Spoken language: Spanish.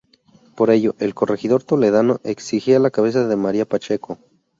Por ello, el corregidor toledano exigía la cabeza de María Pacheco.